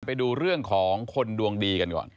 ไปดูเรื่องของคนดวงดีกันก่อน